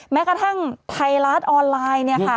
แม้กระทั่งไทยรัฐออนไลน์เนี่ยค่ะ